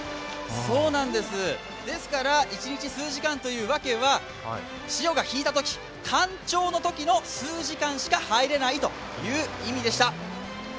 ですから一日数時間という訳は潮が引いたとき、干潮のときの数時間しか入れないという意味でした。